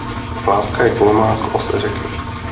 Lávka je kolmá k ose řeky.